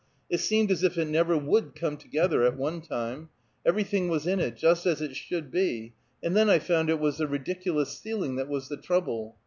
"It seemed as if it never would come together, at one time. Everything was in it, just as it should be; and then I found it was the ridiculous ceiling that was the trouble.